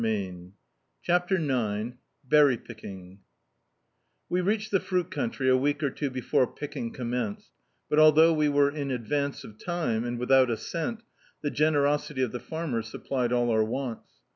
db, Google CHAPTER IX BBRRT PICKING W) reached the fruit country a week or two before picking commenced, but although we were in advance of time, and without a cent, the generosity of the fanners supplied all our wants.